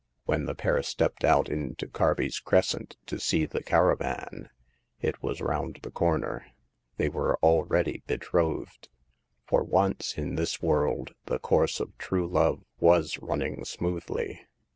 When the pair stepped out into Carby's Crescent to see the caravan — it was round the corner— they were already betrothed. For once in this world the course of true love was running smoothly.